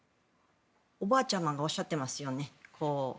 おばあちゃまがおっしゃってますよね。